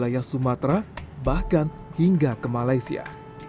wilayah sumatera bahkan hingga ke malaysia